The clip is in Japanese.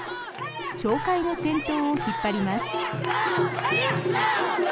町会の先頭を引っ張ります。